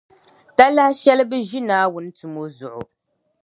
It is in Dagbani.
Talahi shɛli bɛʒe Naawuni tumo zuɣu